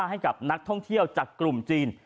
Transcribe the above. ให้กับนักท่องเที่ยวจากกลุ่มจีน